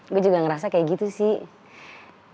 gue juga ngerasa kayak gitu sih